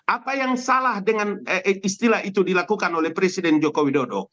apa yang salah dengan istilah itu dilakukan oleh presiden joko widodo